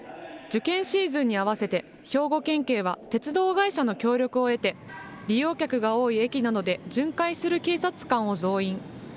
受験シーズンに合わせて、兵庫県警は鉄道会社の協力を得て、利用客が多い駅などで巡回する警察官を増員。